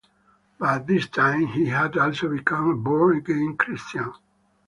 By this time, he had also become a born again Christian.